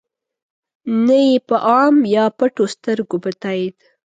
نه ېې په عام یا پټو سترګو په تایید.